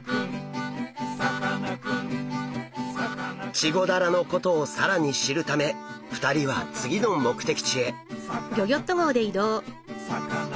チゴダラのことを更に知るため２人は次の目的地へ。